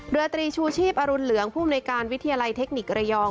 เรือตรีชูชีพอรุณเหลืองผู้อำนวยการวิทยาลัยเทคนิคระยอง